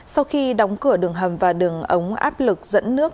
sau khi đóng cửa đường hầm và đường ống áp lực dẫn nước